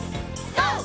ＧＯ！